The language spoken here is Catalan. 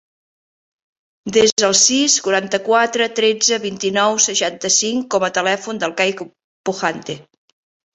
Desa el sis, quaranta-quatre, tretze, vint-i-nou, seixanta-cinc com a telèfon del Kai Pujante.